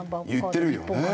言ってるよね。